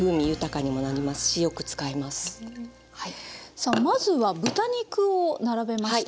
さあまずは豚肉を並べました。